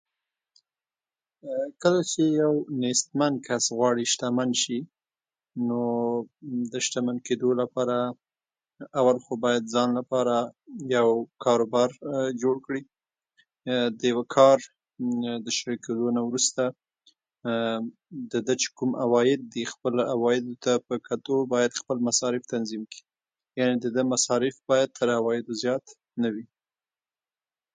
کله چې يو نېستمن کس غواړي شتمن شي، نو د شتمن کېدو لپاره اول هو بايد د ځان لپاره يو کاروبار جوړ کړي. د يو کار د شروع کيدلو نه وروسته دده چي کوم عوايددي خپل د عوايدو ته په کتو بايدخپل مصارف تنظيم کړي، يعنې د ده مصارف بايد تر عوايدو زيات نه وي.